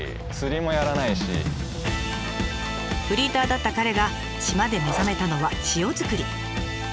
フリーターだった彼が島で目覚めたのは塩作り。